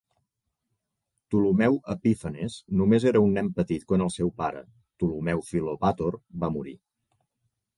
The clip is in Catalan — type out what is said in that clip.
Ptolemeu Epífanes només era un nen petit quan el seu pare, Ptolemeu Filopàtor va morir.